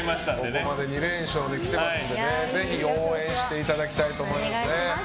ここまで２連勝で来てますからぜひ応援していただきたいと思います。